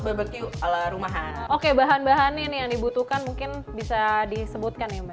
barbecue ala rumahan oke bahan bahan ini yang dibutuhkan mungkin bisa disebutkan ya